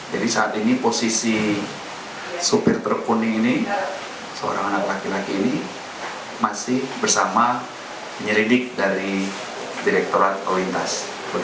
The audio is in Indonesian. jadi saat ini posisi sopir truk kuning ini seorang anak laki laki ini masih bersama nyelidik dari direkturat kualitas